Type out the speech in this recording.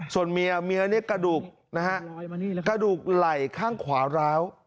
ส่วนเมียเมียเนี่ยกระดูกนะฮะกระดูกไหล่ข้างขวาร้าว